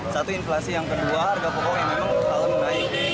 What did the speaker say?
satu inflasi yang kedua harga pokoknya memang telah menaiki